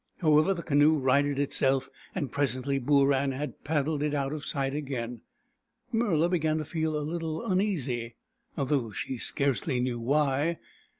How ever, the canoe righted itself, and presently Booran had paddled it out of sight again. Murla began to feel a little uneasy, though she scarcely knew why.